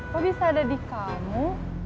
kok bisa ada di kamu